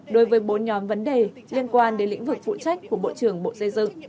đối với bốn nhóm vấn đề liên quan đến lĩnh vực phụ trách của bộ trưởng bộ xây dựng